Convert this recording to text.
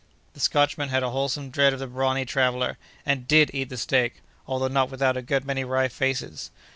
The Scotchman had a wholesome dread of the brawny traveller, and did eat the steak, although not without a good many wry faces.